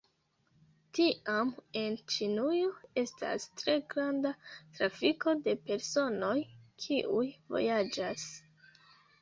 Tiam en Ĉinujo estas tre granda trafiko de personoj, kiuj vojaĝas.